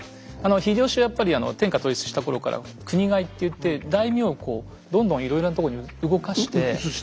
秀吉はやっぱり天下統一した頃から国替えっていって大名をこうどんどんいろいろなとこに動かして。